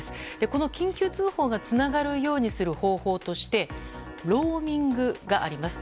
この緊急通報がつながるようにする方法としてローミングがあります。